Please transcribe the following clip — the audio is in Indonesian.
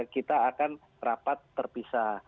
kita akan rapat terpisah